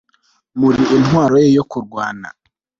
muri intwaro ye yo kurwana